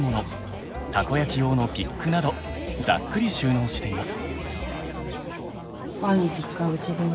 たこ焼き用のピックなどざっくり収納しています。